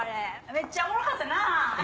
めっちゃおもろかったなぁ！